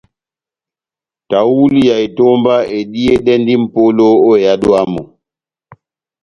Tahuli ya etomba ediyedɛndi mʼpolo ó ehádo yamu.